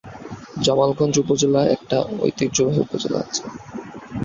জামালগঞ্জ উপজেলা একটি ঐতিহ্যবাহী উপজেলা।